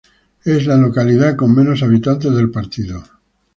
Es la localidad con menos habitantes del partido.